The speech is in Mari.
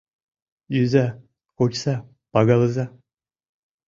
Йӱза, кочса, пагалыза